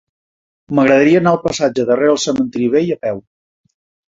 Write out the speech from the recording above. M'agradaria anar al passatge de Rere el Cementiri Vell a peu.